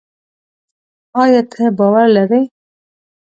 ایا ته باور لري؟